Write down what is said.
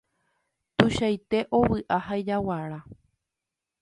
Tuichaite ovy'a ha ijaguara.